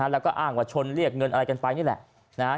แล้วก็อ้างว่าชนเรียกเงินอะไรกันไปนี่แหละ